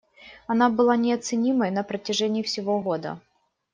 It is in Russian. Она была неоценимой на протяжении всего года.